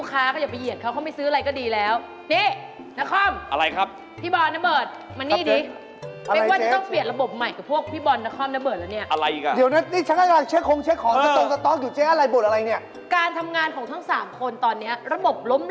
สวัสดีค่ะคุณอะไรนะครับ